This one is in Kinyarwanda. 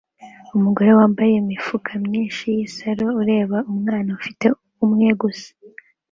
Umugore wambaye imikufi myinshi yisaro areba umwana ufite umwe gusa